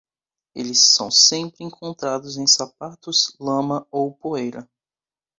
Eles são sempre encontrados em sapatos, lama ou poeira.